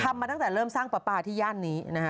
มาตั้งแต่เริ่มสร้างปลาปลาที่ย่านนี้นะฮะ